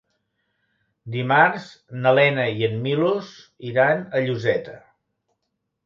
Dimarts na Lena i en Milos iran a Lloseta.